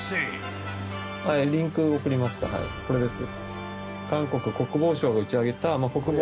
これです。